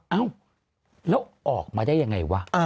เอ้าแล้วออกมาได้ยังไงวะ